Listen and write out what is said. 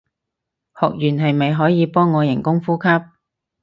學完係咪可以幫我人工呼吸